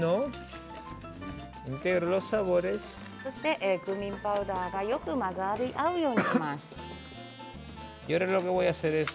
そして、クミンパウダーがよく混ざり合うようにします。